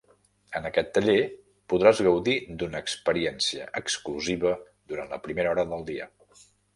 En aquest taller podràs gaudir d'una experiència exclusiva durant la primera hora del dia.